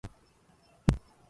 ولدت ليلى إبنها السّادس.